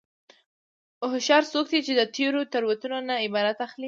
هوښیار څوک دی چې د تېرو تېروتنو نه عبرت اخلي.